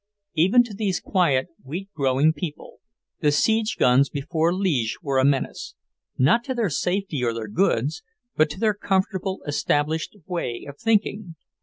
Even to these quiet wheat growing people, the siege guns before Liege were a menace; not to their safety or their goods, but to their comfortable, established way of thinking.